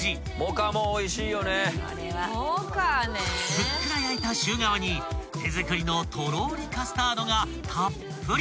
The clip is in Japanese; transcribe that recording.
［ふっくら焼いたシュー皮に手作りのとろりカスタードがたっぷり］